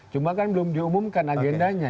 cuma kan belum diumumkan agendanya